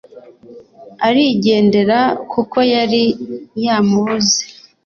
Arigendera kuko yari yamubuze